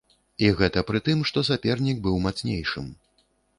І гэта пры тым, што сапернік быў мацнейшым.